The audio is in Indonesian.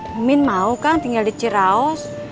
mimin mau kang tinggal di ciraos